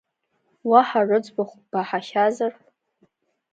Уаҳа рыӡбахәык баҳахьазар?